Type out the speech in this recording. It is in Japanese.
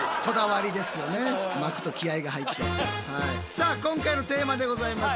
さあ今回のテーマでございます。